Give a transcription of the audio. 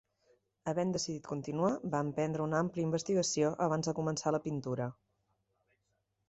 Havent decidit continuar, va emprendre una àmplia investigació abans de començar la pintura.